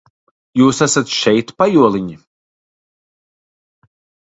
Jūs esat šeit, pajoliņi?